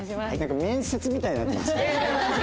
面接みたいになってますね。